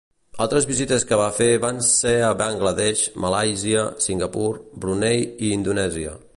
Altres visites que va fer van ser Bangla Desh, Malàisia, Singapur, Brunei i Indonèsia.